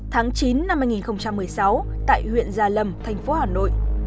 tháng chín năm hai nghìn một mươi sáu tại huyện gia lâm thành phố hà nội